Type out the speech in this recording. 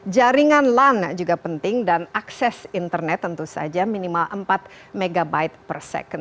jaringan lan juga penting dan akses internet tentu saja minimal empat mb per second